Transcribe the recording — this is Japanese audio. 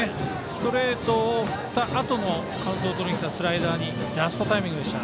ストレートを振ったあとのカウントをとりにきたスライダーにジャストタイミングでした。